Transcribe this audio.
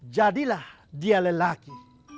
jadilah dia lelaki